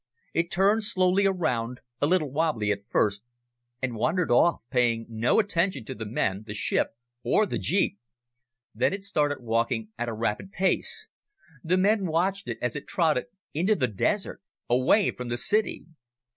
It turned slowly around, a little wobbly at first, and wandered off, paying no attention to the men, the ship, or the jeep. Then it started walking at a rapid pace. The men watched as it trotted into the desert away from the city!